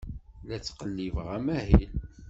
La ttqellibeɣ amahil.